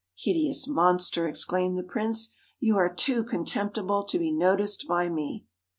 * Hideous monster!' exclaimed the prince, 'you are too contemptible to be noticed by me.'